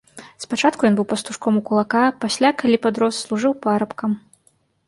Спачатку ён быў пастушком у кулака, пасля, калі падрос, служыў парабкам.